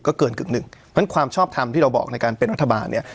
ก็เกินกึ่งหนึ่งเพราะฉะนั้นความชอบทำที่เราบอกในการเป็นรัฐบาลเนี่ย